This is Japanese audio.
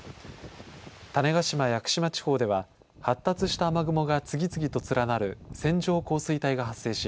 種子島・屋久島地方では発達した雨雲が次々と連なる線状降水帯が発生し、